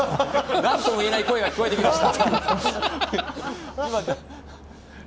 なんとも言えない声が聞こえてきました。